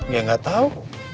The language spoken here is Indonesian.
ya gak tau